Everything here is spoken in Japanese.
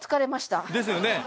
ですよね